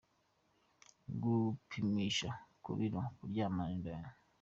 Gupimisha ku biro : Kuryamana n’indaya.